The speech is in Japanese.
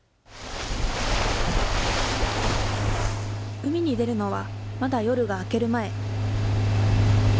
海に出るのはまだ夜が明ける前。